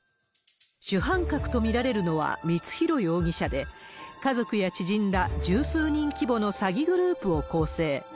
主犯格と見られるのは光弘容疑者で、家族や知人ら十数人規模の詐欺グループを構成。